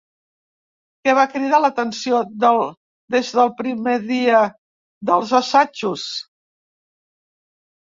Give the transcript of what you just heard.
Què va cridar l'atenció des del primer dia dels assajos?